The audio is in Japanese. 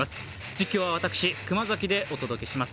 実況は私、熊崎でお届けします。